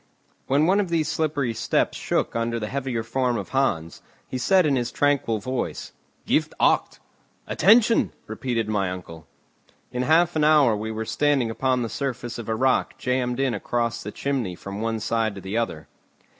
When one of these slippery steps shook under the heavier form of Hans, he said in his tranquil voice: "Gif akt!" "Attention!" repeated my uncle. In half an hour we were standing upon the surface of a rock jammed in across the chimney from one side to the other.